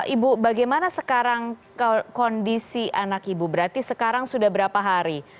ibu bagaimana sekarang kondisi anak ibu berarti sekarang sudah berapa hari